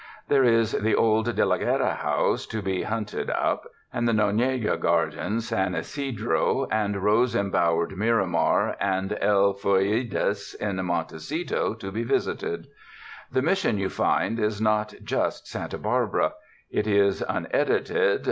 There is the old De la Guerra house to be hunted up and the Nonega gar dens, San Ysidro and rose embowered Miramar and El Fureidis in Montecito to be visited. The Mission, you find, is not just Santa Barbara; it is, unedited.